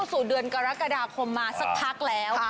สู่เดือนกรกฎาคมมาสักพักแล้ว